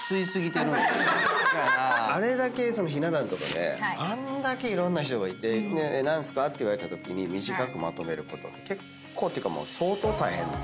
あれだけひな壇とかであんだけいろんな人がいて何すか？って言われたときに短くまとめることって結構っていうか相当大変なことだから。